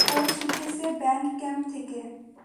ও শিখেছে band camp থেকে।